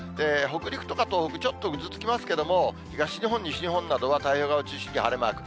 北陸とか東北、ちょっとぐずつきますけども、東日本、西日本は太平洋側を中心に晴れマーク。